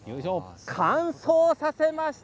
乾燥させました。